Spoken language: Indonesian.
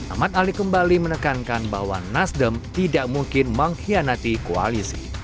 ahmad ali kembali menekankan bahwa nasdem tidak mungkin mengkhianati koalisi